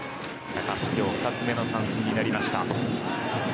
高橋今日２つ目の三振になりました。